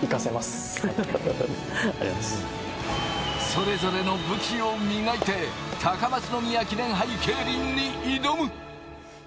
それぞれの武器を磨いて高松宮記念杯競輪に挑む。